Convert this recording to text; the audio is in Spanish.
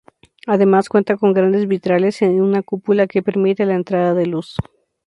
Además cuenta con grandes vitrales y una cúpula, que permiten la entrada de luz.